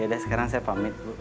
sudah sekarang saya pamit bu